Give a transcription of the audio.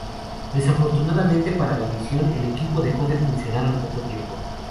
Desafortunadamente para la misión, el equipo dejó de funcionar al poco tiempo.